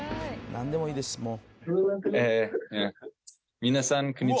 「なんでもいいですもう」